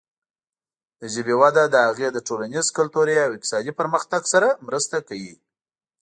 د ژبې وده د هغې د ټولنیز، کلتوري او اقتصادي پرمختګ سره مرسته کوي.